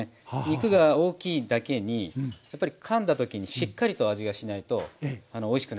肉が大きいだけにやっぱりかんだ時にしっかりと味がしないとおいしくないですよね。